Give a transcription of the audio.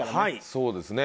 そうですね。